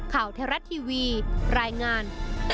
ข่าวเทราชทีวีรายงาน